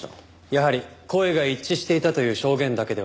やはり声が一致していたという証言だけでは弱いですね。